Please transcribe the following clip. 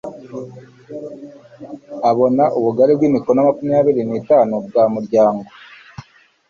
abona ubugari bw imikono makumyabiri n itanu bw umuryango